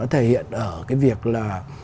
hiện ở cái việc là